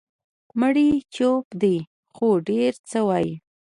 مړی چوپ دی، خو ډېر څه وایي.